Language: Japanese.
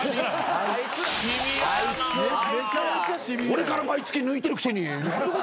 俺から毎月抜いてるくせに。